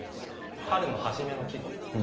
春の初めの季語。